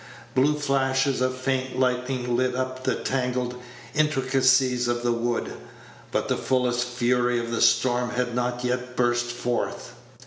Blue flashes of faint lightning lit up the tangled intricacies of the wood, but the fullest fury of the storm had not yet burst forth.